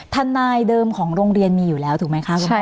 ท่านนายเดิมของโรงเรียนมีอยู่แล้วถูกมั้ยคะ